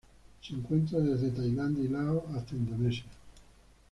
Se encuentra desde Tailandia y Laos hasta Indonesia.